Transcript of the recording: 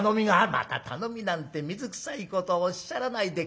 「また頼みなんて水くさいことをおっしゃらないで家来です